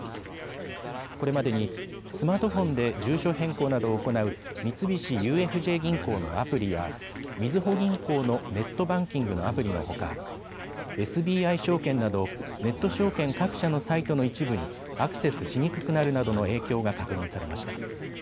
これまでにスマートフォンで住所変更などを行う三菱ＵＦＪ銀行のアプリやみずほ銀行のネットバンキングのアプリのほかＳＢＩ証券などネット証券各社のサイトの一部にアクセスしにくくなるなどの影響が確認されました。